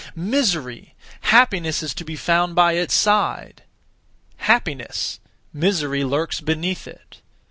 Misery! happiness is to be found by its side! Happiness! misery lurks beneath it!